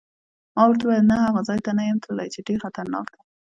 ما ورته وویل: نه، هغه ځای ته نه یم تللی چې ډېر خطرناک دی.